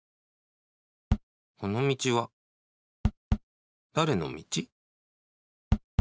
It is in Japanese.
このみちはだれのみち？